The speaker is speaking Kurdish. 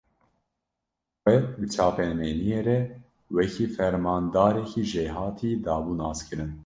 Xwe, bi çapemeniyê re wekî fermandarekî jêhatî, dabû naskirin